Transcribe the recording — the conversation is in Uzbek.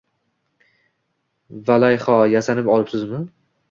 Vaalayho, yasanib olibsizmi